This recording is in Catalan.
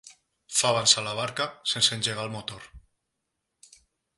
Fa avançar la barca sense engegar el motor.